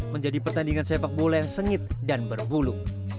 menjadi pertandingan sepak bola yang sengit dan berbulu